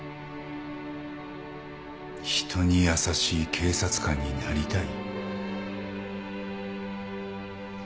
人に優しい警察官になりたい。